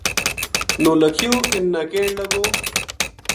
نولکھیو انھ نا کہن لگو